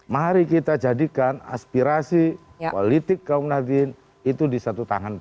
mari kita jadikan aspirasi politik kaum nadine itu di satu tangan